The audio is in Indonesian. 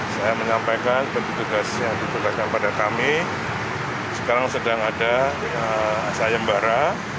saya menyampaikan petugas yang ditutupkan pada kami sekarang sedang ada saya mbah ra